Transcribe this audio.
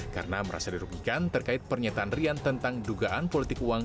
karena merasa dirugikan terkait pernyataan rian tentang dugaan politik uang